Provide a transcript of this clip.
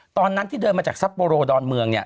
ตอนนั้นที่เดินมาจากซัปโปโรดอนเมือง